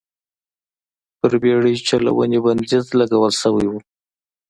پر بېړۍ چلونې بندیز لګول شوی و.